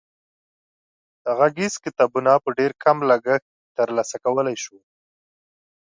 غږیز کتابونه په ډېر کم لګښت تر لاسه کولای شو.